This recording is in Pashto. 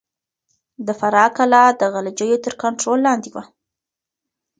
د فراه کلا د غلجيو تر کنټرول لاندې وه.